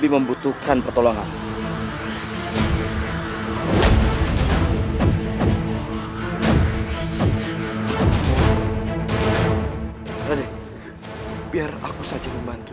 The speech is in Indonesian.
kau akan menghentikanku